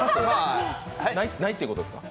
ないってことですか？